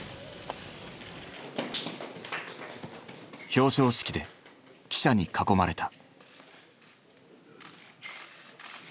表彰式で記者に囲まれた。